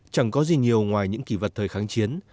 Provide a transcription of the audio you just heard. chẳng có gì nhiều ngoài những kỳ vật thời kháng chiến